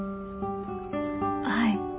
はい。